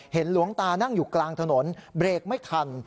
หลวงตานั่งอยู่กลางถนนเบรกไม่ทัน